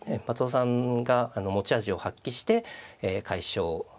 松尾さんが持ち味を発揮して快勝。